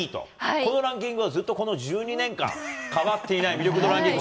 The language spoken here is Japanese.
このランキングがずっとこの１２年間、変わっていない魅力度ランキング。